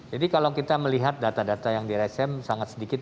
jadi kalau kita melihat data data yang di rscm sangat sedikit